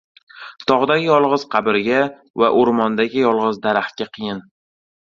• Tog‘dagi yolg‘iz qabrga va o‘rmondagi yolg‘iz daraxtga qiyin.